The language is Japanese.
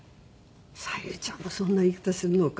「小百合ちゃんもそんな言い方するのか」